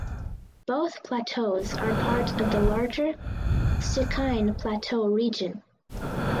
Both plateaus are part of the larger Stikine Plateau region.